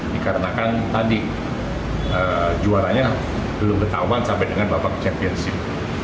dikarenakan tadi juaranya belum ketahuan sampai dengan babak championship